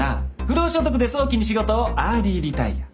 不労所得で早期に仕事をアーリーリタイア。